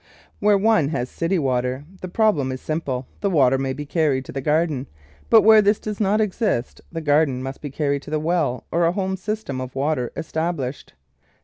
Where one has city water the prob lem is simple — the water may be carried to the garden; but where this does not exist the garden must be carried to the well or a home system of water established.